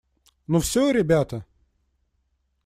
Ну все, ребята?